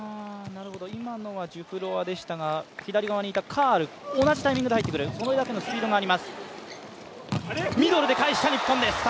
今のがジュフロワでしたが左側にいたカール、同じタイミングで入ってくるそれだけのスピードがあります。